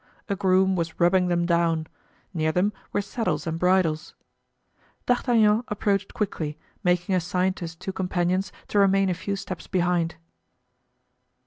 A groom was rubbing them down; near them were saddles and bridles. D'Artagnan approached quickly, making a sign to his two companions to remain a few steps behind.